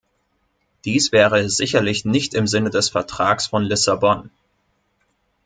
Dies wäre sicherlich nicht im Sinne des Vertrags von Lissabon.